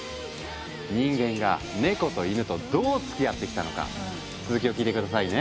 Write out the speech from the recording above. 人間がネコとイヌとどうつきあってきたのか続きを聞いて下さいね。